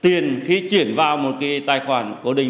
tiền khi chuyển vào một cái tài khoản cố định